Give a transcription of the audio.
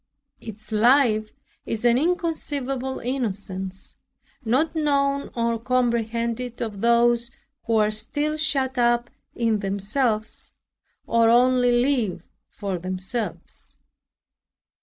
Its life is an inconceivable innocence, not known or comprehended of those who are still shut up in themselves or only live for themselves.